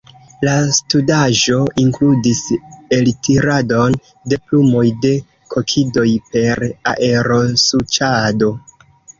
La studaĵo inkludis eltiradon de plumoj de kokidoj per aerosuĉado.